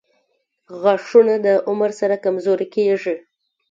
• غاښونه د عمر سره کمزوري کیږي.